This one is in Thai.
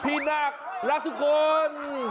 พี่นักรักทุกคน